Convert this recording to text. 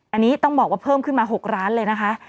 อันนี้ต้องบอกว่าเพิ่มขึ้นมา๖ล้านเลยนะคะ